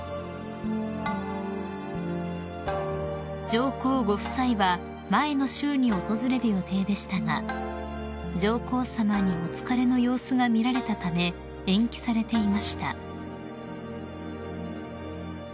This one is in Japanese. ［上皇ご夫妻は前の週に訪れる予定でしたが上皇さまにお疲れの様子が見られたため延期されていました］